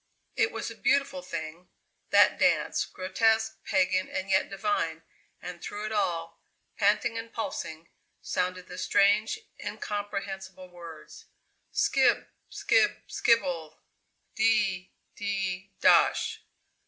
It was a beautiful thing, that dance, grotesque, pagan, and yet divine, and through it all, panting and pulsing, sounded the strange, incomprehensible words: "Skib, skib, skibble de de dosh!"